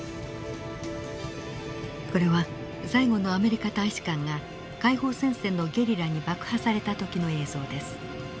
これはサイゴンのアメリカ大使館が解放戦線のゲリラに爆破された時の映像です。